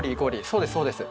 そうですそうです！